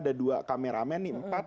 ada dua kameramen nih